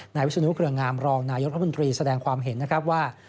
หน่ายวิศนุเกลืองามรองนายภพมนตรีแสดงความเห็นว่า